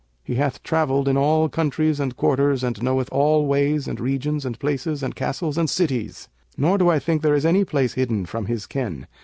He hath travelled in all countries and quarters and knoweth all ways and regions and places and castles and cities; nor do I think there is any place hidden from his ken.